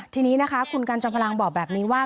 ทีนี้นะคะคุณกันจอมพลังบอกแบบนี้ว่า